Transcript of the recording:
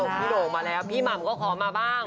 พี่หนูมาแล้วพี่มัมก็คอมาบ้าง